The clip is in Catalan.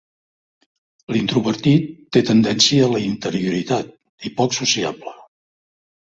L'introvertit té tendència a la interioritat i poc sociable.